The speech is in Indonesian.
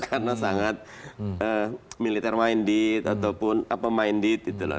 karena sangat militer minded ataupun apa minded gitu loh